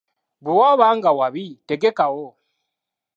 Bwe waba nga wabi, tegekawo.